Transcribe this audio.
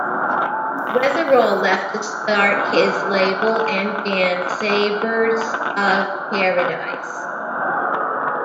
Weatherall left to start his label and band Sabres of Paradise.